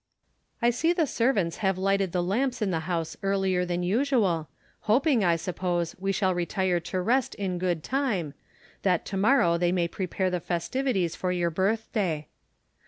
I see the servants have lighted the lamps in the house earlier than usual, hoping, I suppose, we shall retire to rest in good time, that to morrow they may prepare the festivities for your birthday.